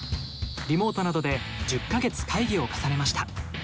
リモートなどで１０か月会議を重ねました。